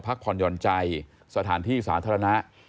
พักผ่อนหย่อนใจสถานที่สาธารณะ